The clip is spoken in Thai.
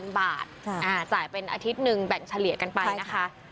จ่ายเป็นอาทิตย์หนึ่งแบ่งเฉลี่ยกันไปนะคะ